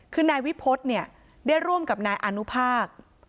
คือนายวิพฤษเนี่ยได้ร่วมกับนายอนุภาค